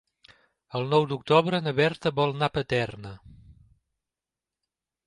El nou d'octubre na Berta vol anar a Paterna.